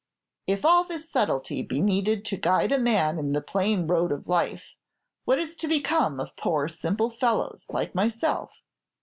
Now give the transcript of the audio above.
"If all this subtlety be needed to guide a man in the plain road of life, what is to become of poor simple fellows like myself?"